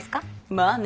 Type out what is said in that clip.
まあね。